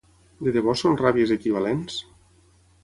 De debò són ràbies equivalents?